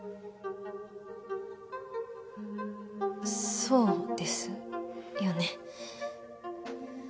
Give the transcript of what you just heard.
そうですよね。